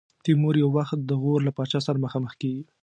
تیمور یو وخت د غور له پاچا سره مخامخ کېږي.